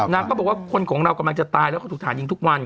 นางก็บอกว่าคนของเรากำลังจะตายแล้วเขาถูกฐานยิงทุกวัน